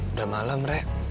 udah malem rek